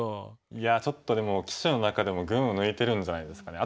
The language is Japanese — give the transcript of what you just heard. いやちょっとでも棋士の中でも群を抜いてるんじゃないですかね。